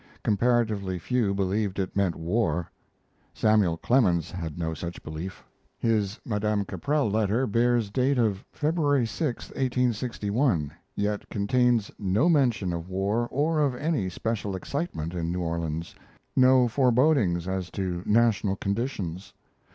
Comparatively few believed it meant war. Samuel Clemens had no such belief. His Madame Caprell letter bears date of February 6, 1861, yet contains no mention of war or of any special excitement in New Orleans no forebodings as to national conditions.